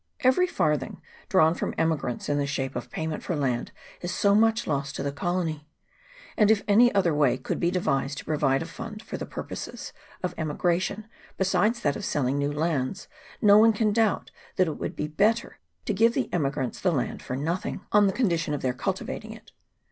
Every farthing drawn from emi grants in the shape of payment for land is so much lost to the colony ; and if any other way could be devised to provide a fund for the purposes of emigra tion besides that of selling new lands, no one can doubt that it would be better to give to the emi grants the land for nothing, on the condition of their cultivating it.